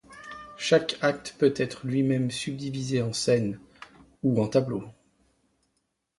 Chaque acte peut être lui-même subdivisé en scènes, ou en tableaux.